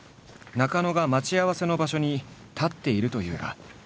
中野が待ち合わせの場所に立っているというが。